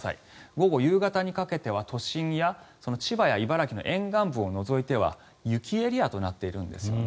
午後、夕方にかけては都心や千葉や茨城の沿岸部を除いては雪エリアとなっているんですね。